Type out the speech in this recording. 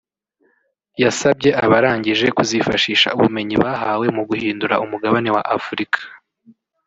yasabye abarangije kuzifashisha ubumenyi bahawe mu guhindura umugabane wa Afurika